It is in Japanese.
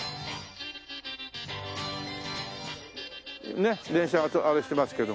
ねっ電車があれしてますけどもね。